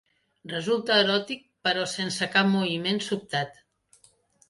Resulta eròtic, però sense cap moviment sobtat.